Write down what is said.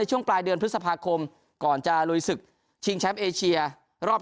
ช่วงปลายเดือนพฤษภาคมก่อนจะลุยศึกชิงแชมป์เอเชียรอบ